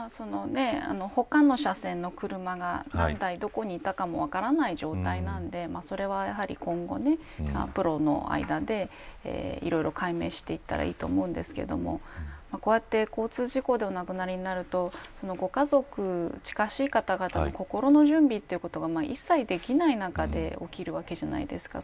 他の車線の車がどこにいたかも分からない状態なのでそれは、今後プロの間で解明していったらいいと思うんですけど交通事故でお亡くなりになるとご家族、近しい方々の心の準備が一切できない中で起きるわけじゃないですか。